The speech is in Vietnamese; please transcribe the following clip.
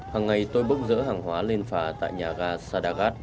hằng ngày tôi bốc rỡ hàng hóa lên phá tại nhà ga sadagat